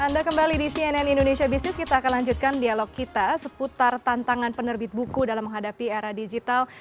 anda kembali di cnn indonesia business kita akan lanjutkan dialog kita seputar tantangan penerbit buku dalam menghadapi era digital